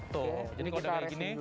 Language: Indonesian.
tuh jadi kalau udah kayak gini